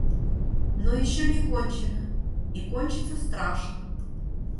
Но еще не кончено... и кончится страшно.